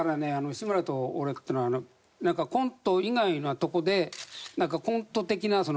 志村と俺っていうのはなんかコント以外のとこでコント的な遊びやってたんで。